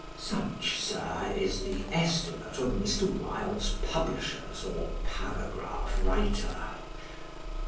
Such, Sir, is the estimate of Mr. Wilde's publishers or paragraph writer.